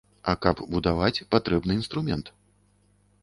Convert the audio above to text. А каб будаваць, патрэбны інструмент.